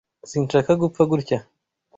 Sinshaka gupfa gutya.